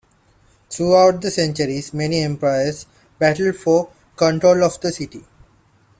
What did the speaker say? Throughout the centuries, many empires battled for control of the city.